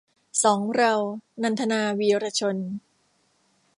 สองเรา - นันทนา วีระชน